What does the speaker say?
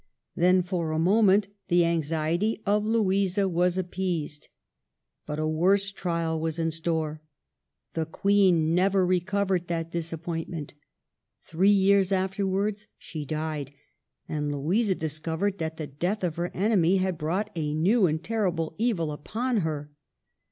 Then for a moment the anxiety of Louisa was appeased. But a worse trial was in store. The Queen never recovered that disappointment. Three years afterwards she died ; and Louisa discovered that the death of her enemy had brought a new and terrible evil upon her.